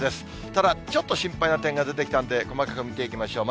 ただ、ちょっと心配な点が出てきたんで、細かく見ていきましょう。